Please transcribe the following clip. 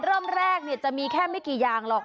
เริ่มแรกจะมีแค่ไม่กี่อย่างหรอก